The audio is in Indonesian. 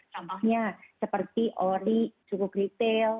contohnya seperti ori cukup retail